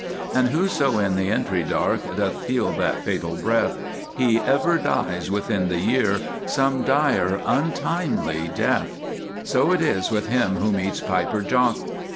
And whoso in the entry dark Doth feel that fatal breath, He ever dies within the year Some dire untimely death." So it is with him who meets "Piper Jock."